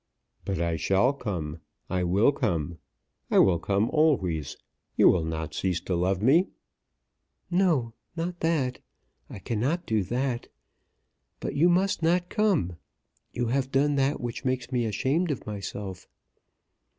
"But I shall come. I will come. I will come always. You will not cease to love me?" "No; not that I cannot do that. But you must not come. You have done that which makes me ashamed of myself."